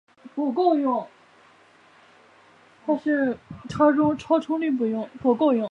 就觉得心里暖暖的